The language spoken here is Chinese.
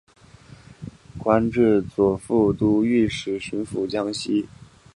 官至左副都御史巡抚江西。